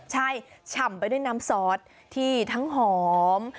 ใช่ฉ่ำไปด้วยน้ำซอสที่ทั้งหอม